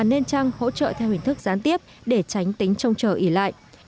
đồng bào dân tộc mảng cũng đang hỗ trợ theo hình thức gián tiếp để tránh tính trông trở ỉ lại